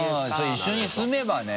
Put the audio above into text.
一緒に住めばね。